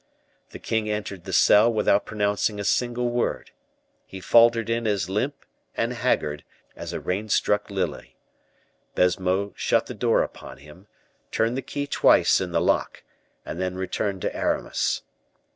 The king entered the cell without pronouncing a single word: he faltered in as limp and haggard as a rain struck lily. Baisemeaux shut the door upon him, turned the key twice in the lock, and then returned to Aramis.